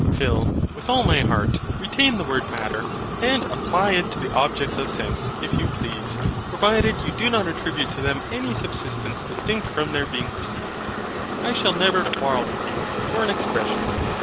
PHIL. With all my heart: retain the word MATTER, and apply it to the objects of sense, if you please; provided you do not attribute to them any subsistence distinct from their being perceived. I shall never quarrel with you for an expression.